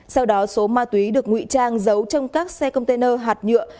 có số ma túy được ngụy trang giấu trong các xe container hạt nhựa